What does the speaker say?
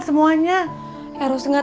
kamu akan menjaga kemahiran kamu